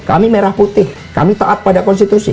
kami merah putih kami taat pada konstitusi